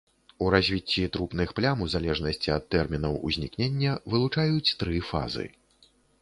У развіцці трупных плям у залежнасці ад тэрмінаў узнікнення вылучаюць тры фазы.